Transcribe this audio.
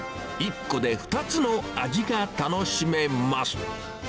１個で２つの味が楽しめます。